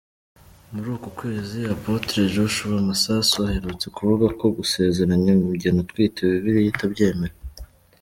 Muri uku kwezi, Apôtre Joshua Masasu, aherutse kuvuga ko gusezeranya umugeni utwite Bibiliya itabyemera.